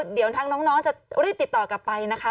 เดี๋ยวทางน้องจะรีบติดต่อกลับไปนะคะ